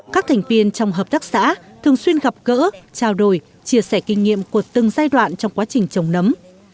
các thành viên trong hợp tác xã thường xuyên gặp gỡ trao đổi chia sẻ kinh nghiệm của từng giai đoạn trong quá trình trồng nấm